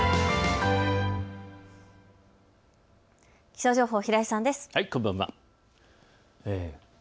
気象情報、平井さんです。